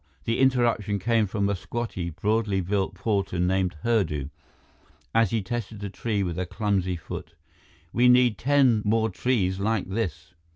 The interruption came from a squatty, broadly built porter named Hurdu, as he tested the tree with a clumsy foot. "We need ten more trees like this."